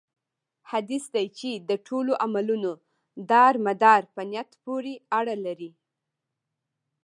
حديث دی چې: د ټولو عملونو دار مدار په نيت پوري اړه لري